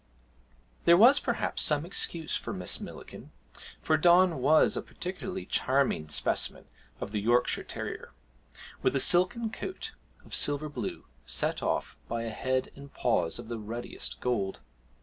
There was perhaps some excuse for Miss Millikin, for Don was a particularly charming specimen of the Yorkshire terrier, with a silken coat of silver blue, set off by a head and paws of the ruddiest gold.